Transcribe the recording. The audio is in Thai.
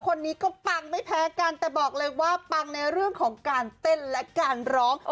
คนนี้ก็ปังไม่แพ้กันแต่บอกเลยว่าปังในเรื่องของการเต้นและการร้อง